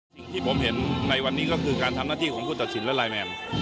สิ่งที่ผมเห็นในวันนี้ก็คือการทำหน้าที่ของผู้ตัดสินและไลน์แมน